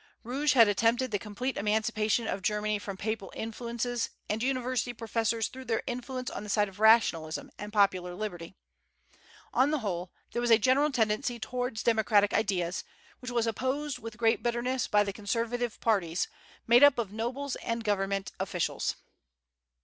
Rouge had attempted the complete emancipation of Germany from Papal influences, and university professors threw their influence on the side of rationalism and popular liberty. On the whole, there was a general tendency towards democratic ideas, which was opposed with great bitterness by the conservative parties, made up of nobles and government officials.